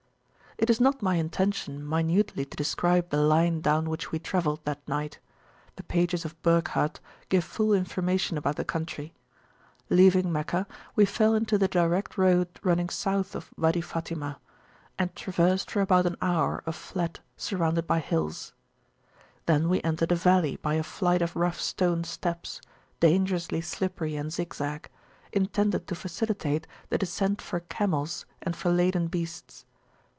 It is not my intention minutely to describe the line down which we travelled that night: the pages of Burckhardt give full information about the country. Leaving Meccah, we fell into the direct road running south of Wady Fatimah, and traversed for about an hour a flat surrounded by hills. Then we entered a valley by a flight of rough stone steps, dangerously slippery and zigzag, intended to facilitate the descent for camels and for laden beasts.